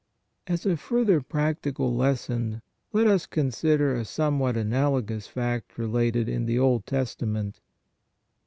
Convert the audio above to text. As a further practical lesson let us consider a somewhat analogous fact related in the Old Testa ment.